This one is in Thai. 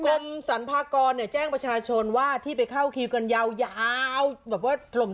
กรมสรรพากรเนี่ยแจ้งประชาชนว่าที่ไปเข้าคิวกันยาวแบบว่าถล่ม